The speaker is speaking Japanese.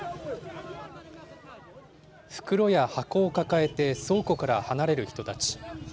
袋や箱を抱えて倉庫から離れる人たち。